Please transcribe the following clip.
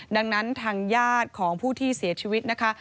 ดังนั้นทางญาติของผู้ที่เสียชีวิตนะคะ